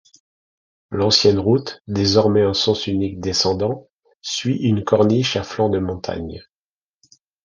L'ancienne route, désormais en sens unique descendant, suit une corniche à flanc de montagne.